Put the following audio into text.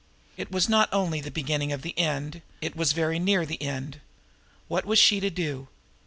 It was not only the beginning of the end; it was very near the end! What was she to do?